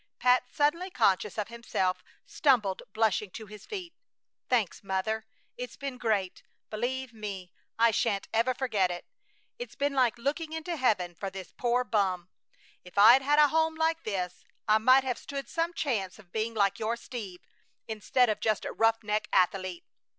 Pat, suddenly conscious of himself, stumbled, blushing, to his feet. "Thanks, Mother! It's been great! Believe me, I sha'n't ever forget it. It's been like looking into heaven for this poor bum. If I'd had a home like this I might have stood some chance of being like your Steve, instead of just a roughneck athlete."